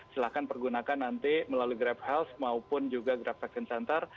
silahkan pergunakan nanti melalui grab health maupun juga grab vaksin center